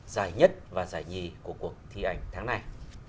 giải nhất và giải nhì của cuộc thi ảnh tháng này